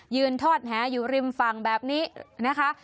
ทอดแหอยู่ริมฝั่งแบบนี้นะคะ